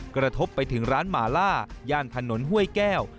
กระทบไปถึงร้านหมาล่าย่านถนนห้วยแก้ว